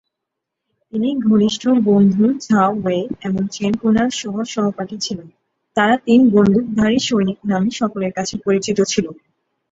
তিনি ঘনিষ্ঠ বন্ধু ঝাও ওয়েই এবং চেং কুনার সহ সহপাঠী ছিলেন; তারা "তিন বন্দুকধারী সৈনিক" নামে সকলের কাছে পরিচিত ছিল।